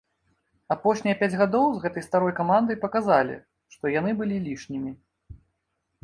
Апошнія пяць гадоў з гэтай старой камандай паказалі, што яны былі лішнімі.